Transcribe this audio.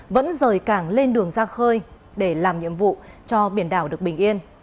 vẫn rời cảng lên đường ra khơi để làm nhiệm vụ cho biển đảo được bình yên